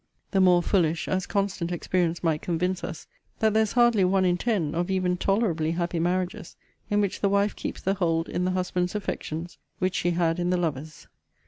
The more foolish, as constant experience might convince us, that there is hardly one in ten, of even tolerably happy marriages, in which the wife keeps the hold in the husband's affections, which she had in the lover's.